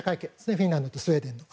フィンランドとスウェーデンの。